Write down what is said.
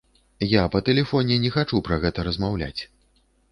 Я па тэлефоне не хачу пра гэта размаўляць.